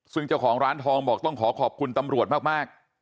ซึ่งเจ้าของร้านทองบอกต้องขอขอบคุณตำรวจมาก